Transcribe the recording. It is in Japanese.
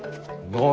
何？